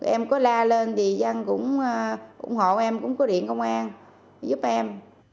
em có la lên thì dân cũng ủng hộ em cũng có điện công an giúp em